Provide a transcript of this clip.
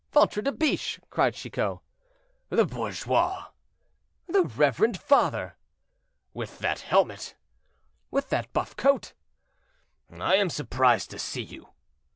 "Ventre de biche!" cried Chicot. "The bourgeois!" "The reverend father!" "With that helmet!" "With that buff coat!" "I am surprised to see you."